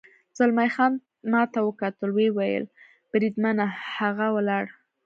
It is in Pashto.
زلمی خان ما ته وکتل، ویې ویل: بریدمنه، هغه ولاړ.